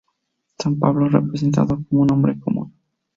San Pablo es representado como un hombre común.